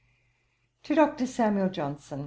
'To DR. SAMUEL JOHNSON.